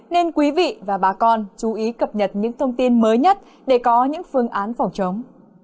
nên quý vị và bà con chú ý cập nhật những thông tin mới nhất để có những phương án phòng chống